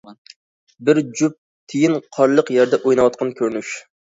بىر جۈپ تىيىن قارلىق يەردە ئويناۋاتقان كۆرۈنۈش.